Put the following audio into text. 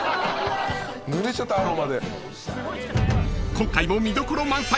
［今回も見どころ満載］